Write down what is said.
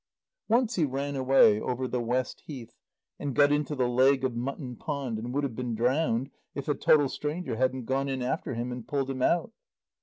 Once he ran away over the West Heath, and got into the Leg of Mutton Pond, and would have been drowned if a total stranger hadn't gone in after him and pulled him out.